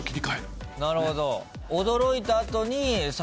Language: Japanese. なるほど。